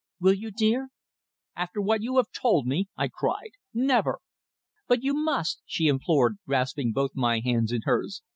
Will you, dear?" "After what you have told me!" I cried. "Never!" "But you must," she implored, grasping both my hands in hers.